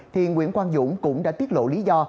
thì nguyễn quang dũng cũng đã tiết lộ lý do